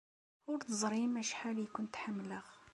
Ur teẓrim acḥal ay kent-ḥemmleɣ.